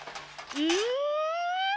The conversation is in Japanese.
うん？